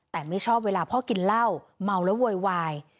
แต่ไม่ชอบเวลาพ่อกินเหล้าเมาแล้วโวยวาย